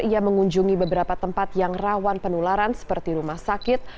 ia mengunjungi beberapa tempat yang rawan penularan seperti rumah sakit